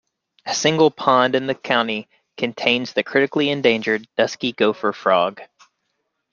A single pond in the county contains the critically endangered dusky gopher frog.